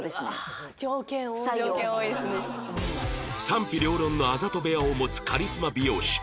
賛否両論のあざと部屋を持つカリスマ美容師